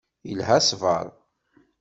Ilha ṣṣber.